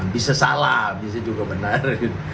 bisa salah bisa juga benar